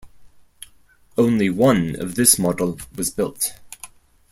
Only one of this model was built.